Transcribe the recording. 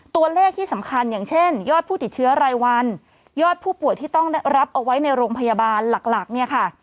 ตัวเลขที่สำคัญอย่างเช่นยอดผู้ติดเชื้อรายวันยอดผู้ป่วยที่ต้องรับเอาไว้ในโรงพยาบาลหลักหลักเนี่ยค่ะ